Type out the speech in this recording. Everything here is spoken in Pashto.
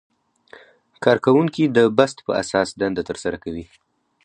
کارکوونکي د بست په اساس دنده ترسره کوي.